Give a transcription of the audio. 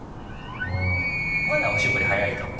まだおしぼり早いかも。